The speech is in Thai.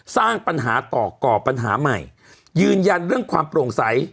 สร้างปัญหาต่อก่อปัญหาใหม่ยืนยันเรื่องความโปร่งใส